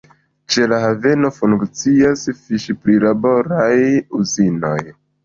Ĉe la haveno funkcias fiŝ-prilaboraj uzinoj.